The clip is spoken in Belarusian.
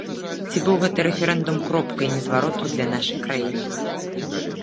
Ці быў гэты рэферэндум кропкай незвароту для нашай краіны?